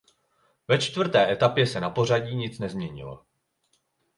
Ve čtvrté etapě se na pořadí nic nezměnilo.